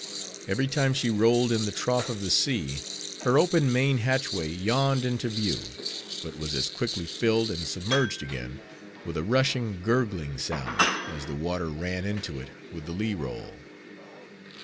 Every time she rolled in the trough of the sea, her open main hatchway yawned into view; but was as quickly filled, and submerged again, with a rushing, gurgling sound, as the water ran into it with the lee roll.